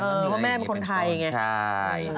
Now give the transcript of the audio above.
เพราะแม่เป็นคนไทยไงใช่